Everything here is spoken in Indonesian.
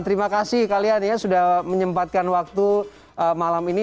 terima kasih kalian ya sudah menyempatkan waktu malam ini